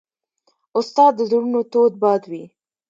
استاد د زړونو تود باد وي.